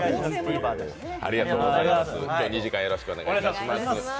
２時間よろしくお願いします。